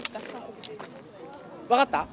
分かった？